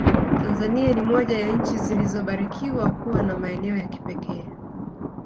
Tanzania ni moja ya nchi zilizobarikiwa kuwa na maeneo ya kipekee